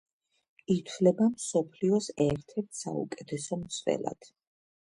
ითვლება მსოფლიოს ერთ-ერთ საუკეთესო მცველად.